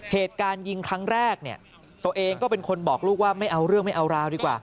เหตุการณ์ยิงครั้งแรกเนี่ยตัวเองก็เป็นคนบอกลูกว่าไม่เอาเรื่องไม่เอาราวดีกว่า